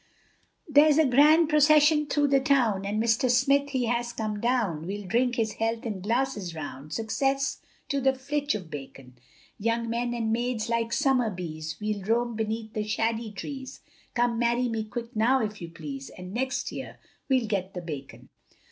There's a grand procession through the town, And Mr. Smith, he has come down, We'll drink his health in glasses round, Success to the flitch of bacon; Young men and maids like summer bees, We'll roam beneath the shady trees, Come marry me quick now, if you please, And next year we'll get the bacon.